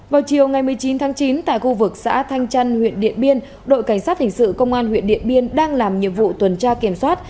vào chiều ngày một mươi chín tháng chín tại khu vực xã thanh trăn huyện điện biên đội cảnh sát hình sự công an huyện điện biên đang làm nhiệm vụ tuần tra kiểm soát